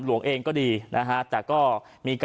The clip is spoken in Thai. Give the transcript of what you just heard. ทางรองศาสตร์อาจารย์ดรอคเตอร์อัตภสิตทานแก้วผู้ชายคนนี้นะครับ